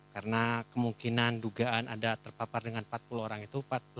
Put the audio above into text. karena kemungkinan dugaan ada terpapar dengan empat puluh orang itu